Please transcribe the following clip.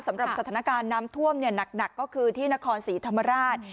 สำหรับสถานการณ์น้ำท่วมหนักก็คือที่นครศรีธรรมราช